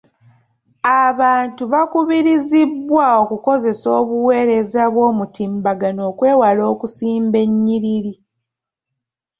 Abantu bakubirizibwa okukozesa obuweereza bw'omutimbagano okwewala okusimba ennyiriri.